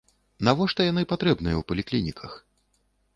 Навошта яны патрэбныя ў паліклініках?